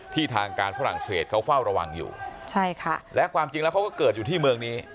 ทางการฝรั่งเศสเขาเฝ้าระวังอยู่ใช่ค่ะและความจริงแล้วเขาก็เกิดอยู่ที่เมืองนี้